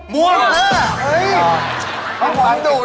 ม่วง